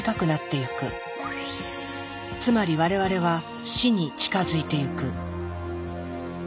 つまり我々は死に近づいていく。